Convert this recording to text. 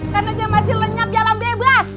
karena dia masih lenyap dalam bebas